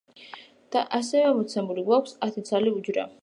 და ასევე მოცემული გვაქვს ათი ცალი უჯრა.